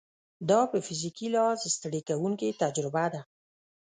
دا په فزیکي لحاظ ستړې کوونکې تجربه ده.